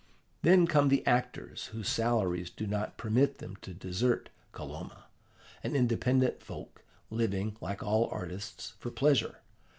Then come the actors whose salaries do not permit them to desert Kolomna, an independent folk, living, like all artists, for pleasure.